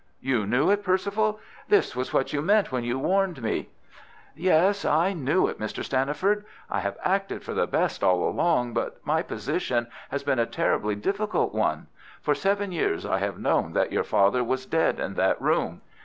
You knew it, Perceval! This was what you meant when you warned me." "Yes, I knew it, Mr. Stanniford. I have acted for the best all along, but my position has been a terribly difficult one. For seven years I have known that your father was dead in that room."